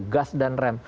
gas dan rem